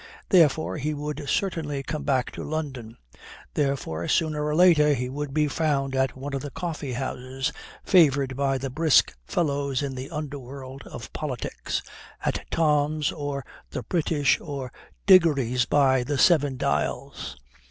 Therefore he would certainly come back to London: therefore sooner or later he would be found at one of the coffee houses favoured by the brisk fellows in the underworld of politics at Tom's, or the British, or Diggory's by the Seven Dials.